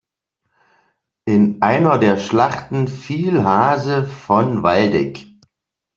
In einer der Schlachten fiel Hase von Waldeck.